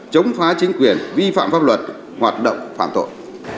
chống phá chính quyền vi phạm pháp luật hoạt động phạm tội